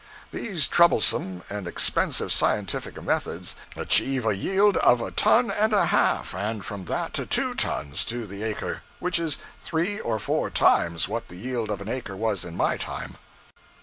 These troublesome and expensive scientific methods achieve a yield of a ton and a half and from that to two tons, to the acre; which is three or four times what the yield of an acre was in my time.